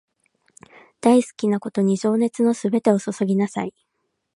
大好きなことに情熱のすべてを注ぎなさい